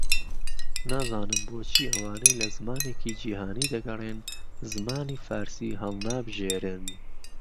نازانم بۆ چی ئەوانەی لە زمانێکی جیھانی دەگەڕێن، زمانی فارسی ھەڵنابژێرن